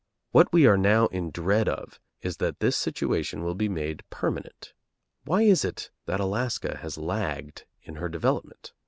What we are now in dread of is that this situation will be made permanent. Why is it that Alaska has lagged in her development?